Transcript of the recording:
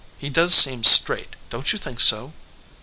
He does seem straight, don t you think so?"